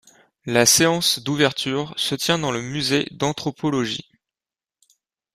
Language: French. La séance d’ouverture se tient dans le musée d’anthropologie.